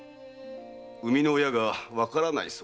生みの親がわからないとか？